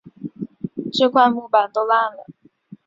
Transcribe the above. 这块木板都烂了